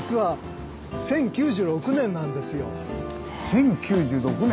１０９６年？